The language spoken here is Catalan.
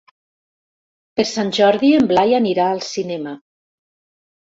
Per Sant Jordi en Blai anirà al cinema.